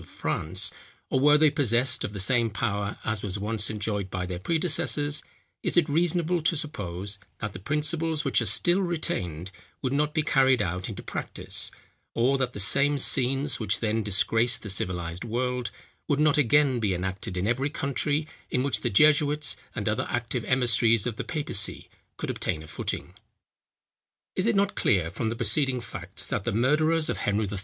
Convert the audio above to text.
of France, or were they possessed of the same power as was once enjoyed by their predecessors, is it reasonable to suppose, that the principles which are still retained, would not be carried out into practice; or that the same scenes, which then disgraced the civilized world, would not again be enacted in every country, in which the jesuits and other active emissaries of the papacy could obtain a footing? Is it not clear from the preceding facts, that the murderers of Henry III.